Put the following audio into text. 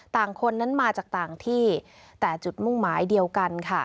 คนนั้นมาจากต่างที่แต่จุดมุ่งหมายเดียวกันค่ะ